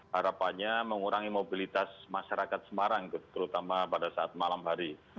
harapannya mengurangi mobilitas masyarakat semarang terutama pada saat malam hari